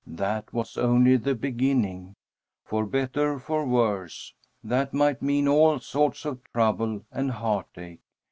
That was only the beginning. "For better, for worse," that might mean all sorts of trouble and heartache.